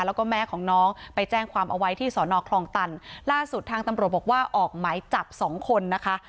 แล้วก็แม่ของน้องไปแจ้งความเอาไว้ที่สอนอคลองตันล่าสุดทางตำรวจบอกว่าออกหมายจับสองคนนะคะ